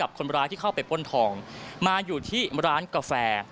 คนร้ายที่เข้าไปป้นทองมาอยู่ที่ร้านกาแฟ